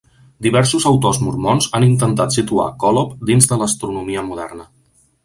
Diversos autors mormons han intentat situar Kolob dins de l'astronomia moderna.